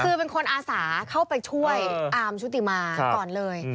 คือเป็นคนอาสาเข้าไปช่วยอาร์มชุติมาก่อนเลย